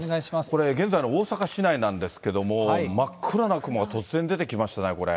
これ、現在の大阪市内なんですけれども、真っ暗な雲が突然出てきましたね、これ。